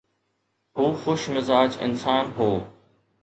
هو خوش مزاج انسان هو.